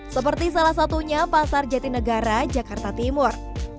seperti salah satunya pasar jatinegara jakarta timur